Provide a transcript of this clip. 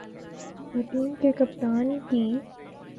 تو ٹیم کے کپتان کی۔